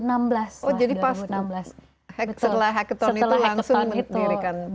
oh jadi pas tuh setelah hackathon itu langsung mendirikan pt nya